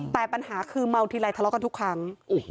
แต่ปัญหาคือเมาทีไรทะเลาะกันทุกครั้ง